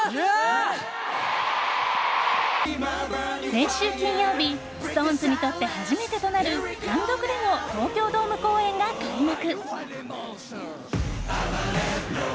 先週金曜日ＳｉｘＴＯＮＥＳにとって初めてとなる単独での東京ドーム公演が開幕。